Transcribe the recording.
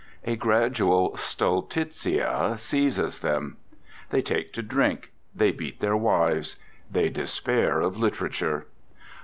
A gradual stultitia seizes them. They take to drink; they beat their wives; they despair of literature.